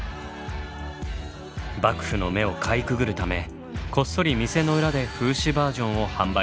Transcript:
幕府の目をかいくぐるためこっそり店の裏で風刺バージョンを販売したのです。